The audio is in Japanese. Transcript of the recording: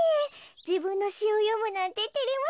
じぶんのしをよむなんててれますねえ。